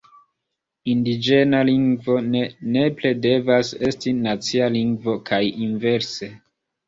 Indiĝena lingvo ne nepre devas esti nacia lingvo kaj inverse.